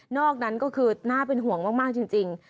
อกนั้นก็คือน่าเป็นห่วงมากจริง